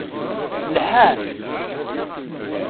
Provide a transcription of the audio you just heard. Lḥan.